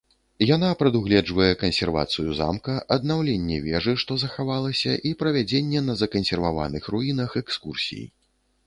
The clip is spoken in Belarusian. Яна прадугледжвае кансервацыю замка, аднаўленне вежы, што захавалася, і правядзенне на закансерваваных руінах экскурсій.